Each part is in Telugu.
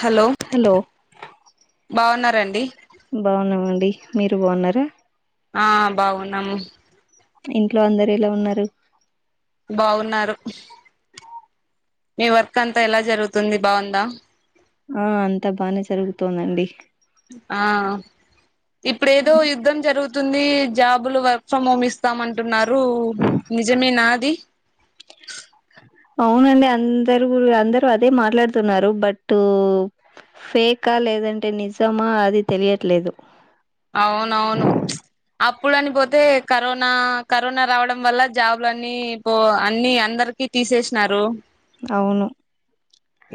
హలో బావున్నారా అండి? బావున్నాం అండి మీరు బావున్నారా? ఆ బావున్నాము ఇంట్లో అందరు ఎలా ఉన్నారు బావున్నారు మీ వర్క్ అంతా ఎలా జరుగుతుంది బావుందా ఆ అంతా బానే జరుగుతోందండి ఆ ఇప్పుడు ఏదో యుద్ధం జరుగుతుం ఉంది జాబులు వర్క్ ఫ్రమ్ హోమ్ ఇస్తామంటున్నారు నిజమే నా? ది అవునండి అందరు అందరు అదే మాట్లాడుతున్నారు బట్ ఫేక్ ఆ లేదంటే నిజమా అది తెలియట్లేదు. అప్పుడు అని పోతే కరోనా కరోనా రావడం వల్ల జాబ్లన్ని పో అన్ని అందర్ కి తీసేసినారు అవును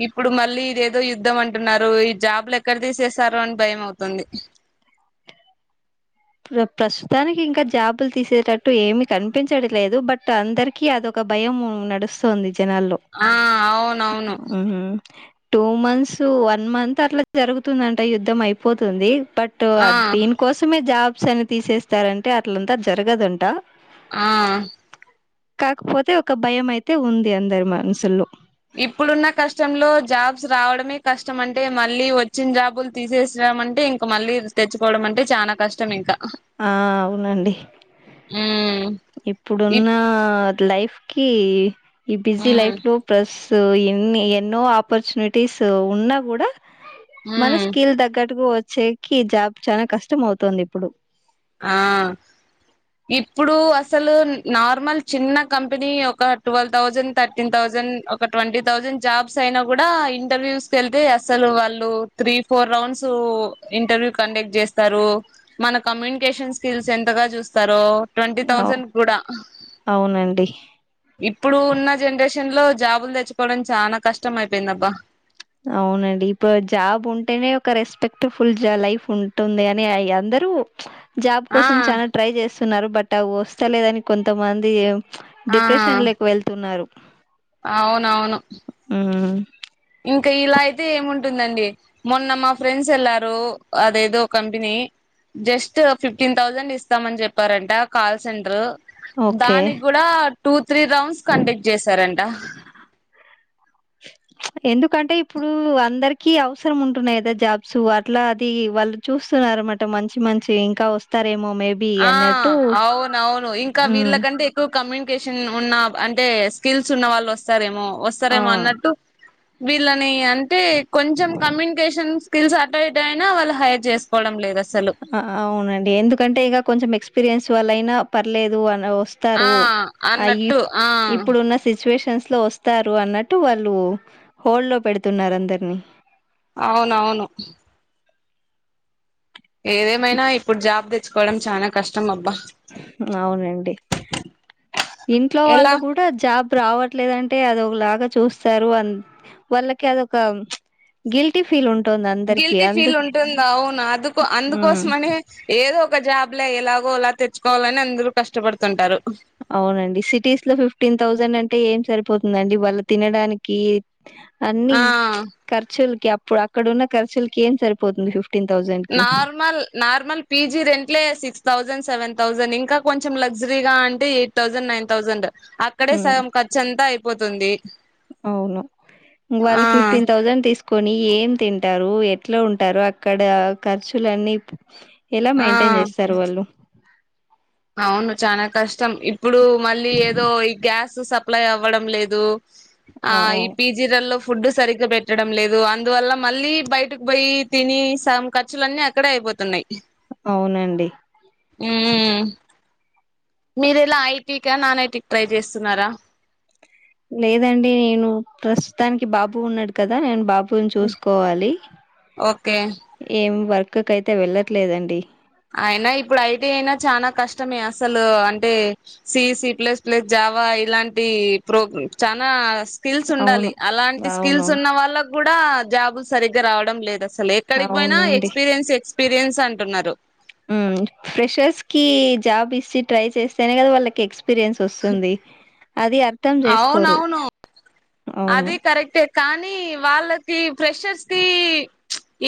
ఇప్పుడు మళ్ళీ ఇదేదో యుద్ధం అంటున్నారు ఈ జాబ్లు ఎక్కడ తీసేసారో అని భయం అవుతుంది ప్రస్తుతానికి ఇంకా జాబులు తీసేటట్టు ఏమి కనిపించడంలేదు బట్ అందరికీ అదొక భయం నడుస్తోంది జనాల్లో ఆ అవునవును టూ మంత్స్ వన్ మంత్ అట్లా జరుగుతుందంట యుద్ధం అయిపోతుంది బట్ ఆ దీని కోసమే జాబ్స్ అని తీసేస్తారంటే అట్లంతా జరగదంట ఆ కాకపోతే ఒక భయం అయితే ఉంది అందరి మనసుల్లో ఇప్పుడున్న కష్టంలో జాబ్స్ రావడమే కష్టం అంటే మళ్ళీ వచ్చిన జాబులు తీసేసిన అంటే ఇంకా మళ్ళీ తెచ్చుకోవడం అంటే చానా కష్టమింక ఆ అవునండి మ్ ఇప్పుడున్న లైఫ్ కి ఈ బిజీ మ్మ్ లైఫ్ లో ప్లస్ స్ ఎన్ని ఎన్నో ఆపర్చునిటీస్ ఉన్నా కూడా మన మ్మ్ స్కిల్ తగ్గటుకు వచ్చేకి జాబ్ చాలా కష్టం అవుతుంది ఇప్పుడు ఆ ఇప్పుడు అసలు నార్మల్ చిన్న కంపెనీ ఒక twelve thousand thirteen thousand ఒక ట్వంటీ థౌజండ్ జాబ్స్ అయినా కూడా ఇంటర్వ్యూస్ కెళ్తే అసలు వాళ్ళు three four rounds interview conduct చేస్తారు మన కమిన్ కేషన్ స్కిల్స్ ఎంతగా చూస్తారో ట్వంటీ అవు థౌజండ్ కూడా అవునండి ఇప్పుడు ఉన్న జనరేషన్ షన్ లో జాబులు తెచ్చుకోవడం చాలా కష్టం అయిపోయిందబ్బా అవునండి ఇప్పుడు జాబ్ ఉంటేనే ఒక రెస్పెక్ట్ ఫుల్ లైఫ్ ఉంటుంది అని అంద రు జాబ్ ఆ కోసం చాలా ట్రై చేస్తున్నారు బట్ అవి వస్తాలేదని కొంతమంది ఆ డిప్రెషన్ లేకు వెళ్తున్నారు అవునవును ఉమ్ ఇంకా ఇలా అయితే ఏముంటుందండి మొన్న మా ఫ్రెండ్స్ వెళ్లారు అదేదో కంపెనీ జస్ట్ ఫిఫ్టీన్ థౌజండ్ ఇస్తామని చెప్పారంట కాల్ సెంటరు ఓకే దానికి కూడా టూత్ త్రీ రౌండ్స్ కండక్ట్ చేశారంట ఎందుకంటే ఇప్పుడు అందరికిీ అవసరం ఉంటున్నాయి కదా జాబ్స్ అట్లా అది వాళ్ళు చూస్తున్నారు అన్నమాట మంచి మంచి ఇంకా వస్తారేమో మేబి ఆ అన్నట్టు అవున అవును ఇంకా ఉమ్ వీళ్ళకంటే ఎక్కువ కమ్యూనికేషన్ ఉన్న అంటే స్కిల్స్ ఉన్న వాళ్ళు వస్తారేమో ఆ వస్తారేమో అన్నట్టు వీళ్ళని అంటే కొంచెం కమ్యూనికేషన్స్ స్కిల్స్ అటు ఇటు అయినా వాళ్ళు హైర్ చేసుకోవడం లేదు అస్ అవునండి ఎందుకంటే ఇగ కొంచెం ఎక్స్పీరియన్స్ వాళ్ళ అయినా పర్లేదు అన్ ఆ వస్తారు ఆ ఇ అన్నట్టు ఆ ఇప్పుడున్న సిట్యువేషన్ లో వస్తారు అన్నట్టు వాళ్ళు హోల్డ్ లో పెడుతున్నారు అందరినీ అవునవును ఏదేమైనా ఇప్పుడు జాబ్ తెచ్చుకోవడం చానా కష్టం అబ్బా అవునండి ఇంట్లో ఎలా వాళ్ళు కూడా జాబ్ రావట్లేదంటే అదోకలాగా చూస్తారు వాళ్ళకి అదొక గిల్టీ ఫీల్ ఉం గిల్టీ ఫీల్ ఉంటుంది అవును అందుకో మ్మ్ అందుకోసమని ఏదో ఒక జాబ్ బ్ ఎలాగో అలా తెచ్చుకోవాలని అందరు కష్టపడుతుంటారు అవునండి సిటీస్ లో ఫిఫ్టీన్ థౌజండ్ అంటే ఏం సరిపోతుందండి వాళ్ళు తినడానికి అన్ని ఆ ఖర్చులకి అప్పుడు అక్కడ ఉన్న ఖర్చులకి ఏం సరిపోతుంది ఫి నార్మల్ నార్మల్ పిజీ రెంట్లే సిక్స్ థౌసండ్ సెవెన్ థౌసండ్ ఇంకా కొంచెం లగ్జరీ గా అంటే ఎయిట్ థౌసండ్ నైన్ థౌసండ్ అక్కడే మ్మ్ సగం ఖర్చంతా అయి పోతుంది అవును ఇంగా వ్వాళ ఆ ఫిఫ్టీన్ థౌజండ్ తీసు కొని ఏం తింటారు ఎట్లా ఉంటారు అక్కడ ఖర్చులన్నీ ఎలా ఆ మెయింటైన్ చేస్తారు వాళ్ళు అవును చనా కష్టం ఇప్పుడు మళ్ళీ ఏదో ఈ గ్యాస్ సప్లై అవ్వడం లేదు ఆ ఈ పిజీ రల్లో ఫుడ్ సరిగ్గా పెట్టడం లేదు అందువల్ల మళ్ళీ బయటకు పోయి తిని సగం ఖర్చులన్నీ అక్కడే అయిపోయి పోతున్నాయి అవునండి ఉమ్ మీరెలా ఐటీకా నాన్ ఐటీకి ట్రై చేస్తున్నారా లేదండి నేను ప్రస్తుతానికి బాబు ఉన్నాడు కదా నేను బా బున్ చూసుకోవాలి ఓకే ఏం వర్క్ కైయితే వెళ్ళట్లేదండి అయినా ఇప్పుడు ఐటీ అయినా చానా కష్టమే అసలు అంటే సి సి ప్లేస్ ప్లేస్ జ వా ఇలాంటి ప్రోగ్ చనా స్కిల్స్ అవును ఉండాలి అలాంటి స్కిల్స్ అవునవును ఉన్న వాళ్ళకి కూడా జాబులు సరిగ్గా రావడం లేదు అస్ సలు ఎక్కడికి పోయినా అవునండి ఎక్స్పీరియన్స్ ఎక్స్పీరియన్స్ అంటున్నారు ఉమ్ ఫ్రెషర్స్ కి జాబ్ ఇచ్చి ట్రై చేస్తేనే కదా వాళ్ళకి ఎక్స్ పిరియన్స్ వస్తుంది అది అర్థం చేసుకోరు అవునవును అది కరెక్టే కానీ వాళ్ళకి ప్రెషర్స్ కి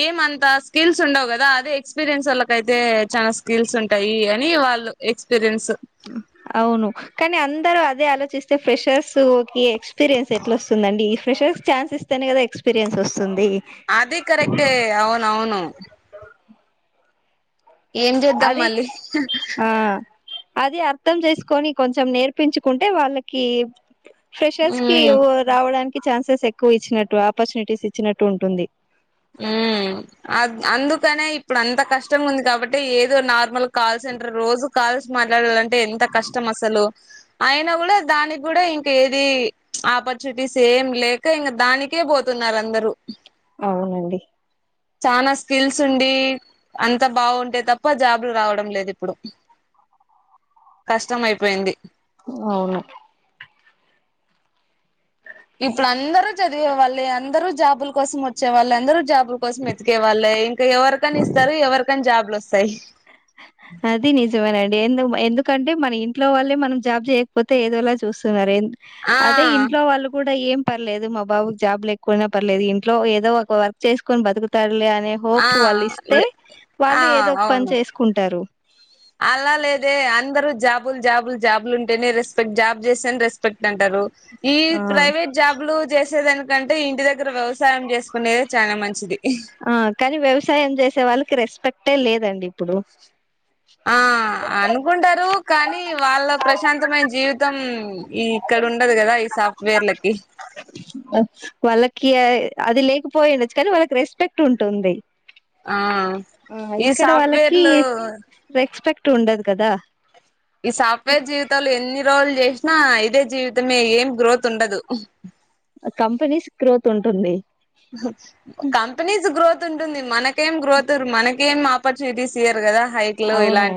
ఏమంత స్కిల్స్ ఉండవ్ కదా అదే ఎక్స్పీరియన్స్ వాళ్ళక అయితే చాలా స్కిల్స్ ఉంటాయి అని వాళ్ళు ఎక్స్ అవును కానీ అం దరూ అదే ఆలోచిస్తే ఫ్రెషర్స్ కి ఎక్స్పీరియన్స్ ఎట్ల వస్తుందండి ఈ ఫ్రెషర్స్ ఛాన్స్ ఇస్ స్తనే కదా ఎక్స్పీరియన్స్ వస్తుంది అది కరెక్టే అవునవును ఏం చేద్దాం అది మళ్ళీ ఆ అది అర్థం చేసుకొని కొంచెం నేర్పించుకుంటే వాళ్ళకి ఫ్రెషర్స్ కి ఉమ్ ఉ రావడానికి ఛాన్సెస్ ఎక్కువ ఇచ్చినట్టు ఆపర్చునిటీస్ ఇచ్చినట్టు ఉంటుంది ఉమ్ అ అందుకనే ఇప్పుడు అంత కష్టం ఉంది కాబట్టి ఏదో నార్మల్ కాల్ సెంటర్ రోజు కాల్స్ మాట్లాడాలంటే ఎంత కష్టం అసలు అయినా కూడా దానికి కూడా ఇంక ఏది ఆపర్చునిటీస్ ఏం లేక ఇంగ దానికే పోతు న్నారు అందరు అవునండి చనా స్కిల్స్ ఉండి అంత బాగుంటే తప్ప జాబ్లు రావడం లేదు ఇప్పుడు కష్టం అయిపోయింది అవును ఇప్పుడు అందరు చదివే వాళ్ళు అందరు జాబుల కోసం వచ్చే వాళ్ళు అందరు జాబుల కోసం వెతికే వల్లే ఇంకా ఎవరికని ఇస్తారు ఎవరికని జాబ్లు వస్తాయి ఆది నిజమేనండి ఎందుకు ఎందుకంటే మన ఇంట్లో వాళ్ళే మనం జాబ్ చేయకపోతే ఏదోలా చూస్తున్నారే ఆ అదే ఇంట్లో వాళ్ళు కూడా ఏం పర్లేదు మా బాబుకు జాబ్లు ఎక్కువున్న పర్లేదు ఇంట్లో ఏదో ఒక వర్క్ చేసుకొని బతుకుతాడులే అని అనే హోప్ ఆ వాళ్ళిస్తే ఆ వాళ్ళు ఏదో ఒక్ పన్ అవును చేస్కుంటారు అలా లేదే అందరూ జాబుల్ జాబుల్ జాబులుంటేనే రెస్పెక్ట్ జాబు జేస్తేన్ రెస్పెక్ట్ అంటారు ఈ ఆ ప్రైవేట్ జాబ్లు జేసేదానికంటే ఇంటి దగ్గర వ్యవస్ సాయం జేస్కునేది చానా మంచిది ఆ కానీ వ్యవసాయం చేసే వాళ్ళకి రెస్పెక్టే లేదండి ఇప్పుడు ఆ అనుకుంటారు కానీ వాళ్ళ ప్రశాంతమైన్ జీవితం ఈ ఇక్కడ ఉండద్ గదా ఈ సాఫ్ట్వేర్లకి కి అది లేకపోయిండచ్చు కానీ వాళ్ళక్ రెస్పెక్ట్ ఉంటుంది ఆ అహా ఈ ఇక్కడ వాళ్ళకి సాఫ్ట్వేర్లు రెస్పెక్ట్ ఉండద్ కదా ఈ సాఫ్ట్వేర్ జీవితలో ఎన్ని రోజుల్ చేస్ చేస్తున్న ఇదే జీవితమే ఏం గ్రోత్ ఉండదు కంపెనీస్ గ్రోత్ ఉంటుంది కంపెనీస్ గ్రోత్ ఉంటుంది మనకేం గ్రోత్ మనక్ గేమ్ ఆపర్చునిటీస్ ఇయ్యర్ గదా అవును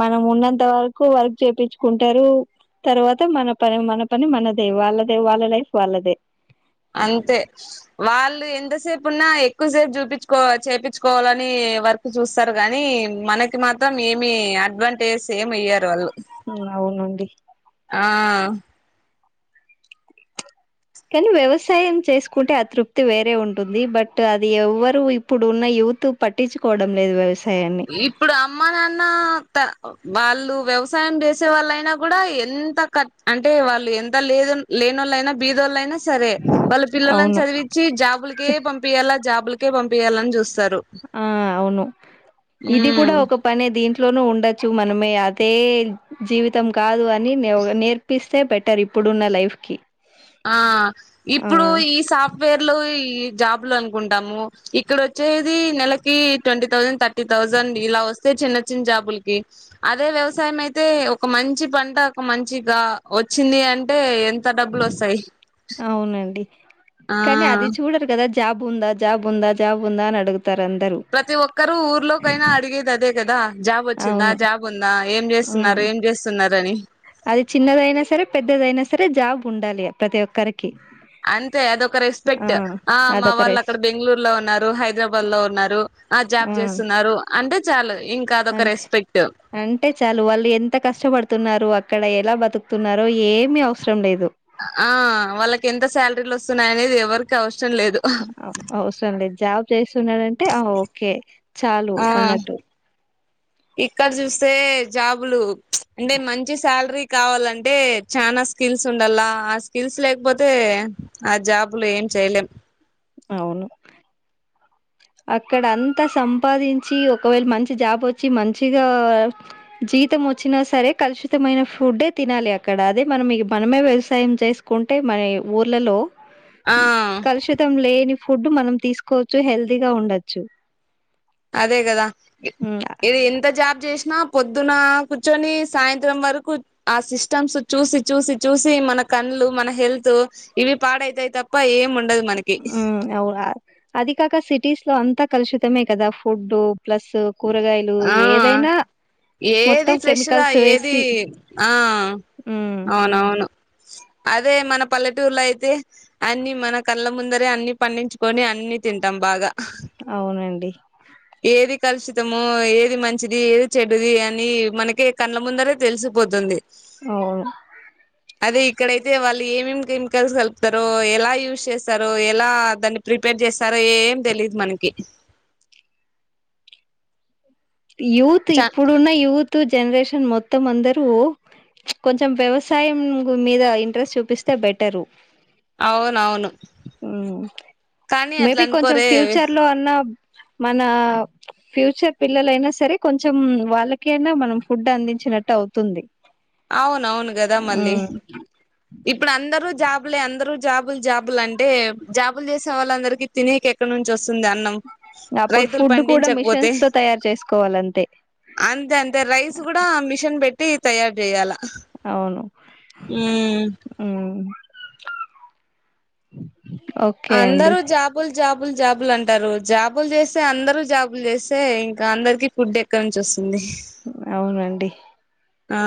మనం ఉన్నంత అంత వరకు వర్క్ చేపిచ్కుంటారు తర్వాత మన పని మన పని మనదే వాళ్ళేదే వాళ్ళ లై ఫ్ వాలదే అంతే వాళ్ళు ఎంతసేప్ ఉన్నా ఎక్కువసేప్ చూపించ్కోవలి చేపిచ్కోవాలని వర్కు చుస్తార్ గాని మనకి మాత్రం ఏమి అడ్వాంటేజెస్ ఏమియ్యారు వాళ్ళు అవును అవునండి ఆ కానీ వ్యవసాయం చేస్కుంటే అతృప్తి వేరే ఉంటుంది బట్ అది ఎవరు ఇప్పుడు ఉన్న ఈ యుత్ పట్టించుకోవడం లేదు వ్యవస్ ఇప్పుడ్ అమ్మ నాన్న త వాళ్ళు వ్యవసాయం జేసేవాళ్ళైనా కూడా ఎంత కట్ అంటే వాళ్ళు ఎంత లేదు అన్ లేనోలైనా బీదోళ్లైనా స సరే వాళ్ళు పిల్లలన్ అవును చదివించి జాబులకే పంపియాలా జాబులకే పంపియాలన్ చూస్త ఆ అవును ఇది కూడా ఉమ్ ఒక పనే దీం లోనూ ఉండచ్చు మనమే అదే జీవితం కాదు అని నేర్-నేర్పిస్ తె బెటర్ ఇప్పుడున్న లైఫ్ కి ఆ ఆ ఇప్పుడు ఈ సాఫ్ట్వేర్ లో ఇ జాబ్ లు అన్కుంటాము ఇక్కడోచ్చేది నెలకి ట్వంటీ థౌసండ్ థర్టీ థౌసండ్ ఇలా వస్తే చిన్న చిన్ జాబులకి అదే వ్యవసాయం అయితే ఒక మంచి పంట ఒక మంచిగా వ వచ్చింది అంటే ఎంత డబ్బులోస్ అవునండి ఆ కానీ అది చూడరు గదా జ జాబుందా జాబుందా జాబుందా అన్ అడుగు ప్రతి ఒక్కరూ ఊర్లోకైనా అడిగేదదే కదా జాబ్ వచ్చిందా అవును జాబ్ ఉందా ఏం ఉమ్ చేస్తున్నారు ఏం చేస్తున్నార్ అది చిన్నదయినా సరే పెద్దదయినా సరే జాబ్ ఉండలి ప్రతి ఒక్కరిక్ అంతే అదొక రెస్పెక్ట్ ఆ మా అదొక వాళ్ రెస్ అక్కడ బెంగళూర్ లో ఉన్నారు హైదరాబాద్ లో ఉన్నారు ఆ జాబ్ జేస్తున్నారు అంటే చాలు ఇంకా అదొక అంటే రెస్పెక్ట్ అంటే చాలు వాళ్ ఎంత కష్టపడుతున్నారు అ అక్కడ ఎలా బతుక్తున్నారో ఏమి అవసరం లేదు ఆ వాళ్ళకి ఎంత సాల్రీల్ వస్తున్నాయనేది ఎవర్కి అవస అవ్స్రం లేదు ప్లేస్ ఉన్నాదంటే ఓకే చాలు అన్నట్టు ఇక్కడ్ జూస్తే జాబులు అంటే మంచి శాల్రీ కావాలంటే చనా స్కిల్స్ ఉండాల ఆ స్కిల్స్ లేక్పోతే ఆ జాబులో ఏం చేయలేం అవును అక్కడ్ అంత సంపాదించి ఒకవేళ మంచి జాబ్ ఒచ్చి మంచిగా జీతం ఒచ్చినా సరే కలుషితమైన ఫుడ్డే తినాలి అక్కడ అదే మనం ఇగ మనమే వ్యవసాయం చేస్కుంటే మన ఏ ఊర్లలో ఆ కలుషితం లేని ఫుడ్డ్ మనం తీసుకోవచ్చు హెల్దీగా ఉండొచ్చు అదే గదా మ్ ఇది ఇంత జాబ్ చేష్ న పొద్దున కూర్చొని సాయంత్రం వరకు ఆ సిస్టమ్స్ చూసి చూసి చూసి మనక్ కన్లు మన హెల్తు ఇవి పాడైతయ్ తప్ ఊ అవ్ కాద్ అది కాక సిటీస్ లో అంతా కలుషితమే కదా ఫుడ్డు ప్లస్సు కూరగాయలు ఆ ఏదైనా ఏది మొత్తం ఫ్రెష్గా కెమికల్స్ ఏది వేసి ఆ మ్ ఔనౌను అదే మన పల్లెటూర్లో అయితే అన్ని మన కళ్ళ ముందరే అన్ని పండించుకొని అన్ని తింటం బాగ ఔనండి ఏది కలుషితమో ఏది మంచిది ఏది చెడ్డది అని మనకే కన్ల ముందరే తెల్సిపోతుంది ఔను అదే ఇక్కడైతే వాళ్ళు ఏమేమ్ కెమికల్స్ కల్పుతరో ఎలా యూస్ చేస్తరో ఎలా దాన్ని ప్రిపేర్ చేస్తరొ ఏం తెలీదు మనకి యూత్ చ ఇప్పుడున్న యూతు జన్రేషన్ మొత్తం అందరూ కొంచం వ్యవసాయం గు మీద ఇంట్రెస్ట్ చూపిస్తే బెటరు అవునవును ఊ కానీ అట్లా మేబి కొంచెం అనుకోరే ఫ్యూచర్ లో అన్న మనా ఫ్యూచర్ పి ల్లలైనా సరే కొంచెం వాళ్ళకైనా మనం ఫుడ్డ్ అందించినట్టు ఔతుంది ఔనౌను గద మళ్ళి ఇప్పుడ్ అందరూ జాబ్లే అందరూ జాబుల్ జాబుల్ అంటే జాబుల్ చేసే వాళ్ళందరికీ తినేక్ ఎక్కడ్ నుంచి ఒస్త్ తుంది అన్నం అప్పుడు రైతులు ఫుడ్ కూడా పండించక్పోతే మిషన్స్ తో తయారు చేసుకోవాలంతే అంతంతే రైస్ గుడా మిషన్ పెట్టి తయార్ చేయలా ఔను ఊ అందరు జాబుల్ జాబ్ బుల్ జాబుల్ అంటారు జాబుల్ చేస్తే అందరూ జాబుల్ చేస్తే ఇంకా అందర్కి ఫుడ్డ్ ఎక్కడ్ నుంచి ఒస్ ఔనండి ఆ